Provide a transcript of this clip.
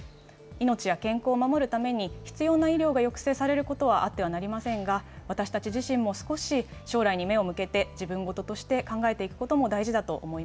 命や健康を守るために、必要な医療が抑制されることはあってはなりませんが、私たち自身も少し将来に目を向けて、自分ごととして考えていくこ